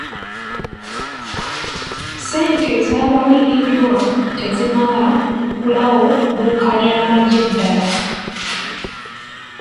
Ssente ezaabaliriddwa tezimala kuggulawo dduuka ly'amagye ddala.